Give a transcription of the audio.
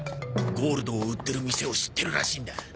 ゴールドを売ってる店を知ってるらしいんだ。